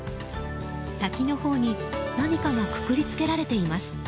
先のほうに何かがくくり付けられています。